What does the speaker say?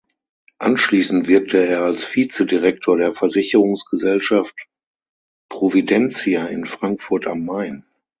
Anschließend wirkte er als Vizedirektor der Versicherungsgesellschaft „Providentia“ in Frankfurt am Main.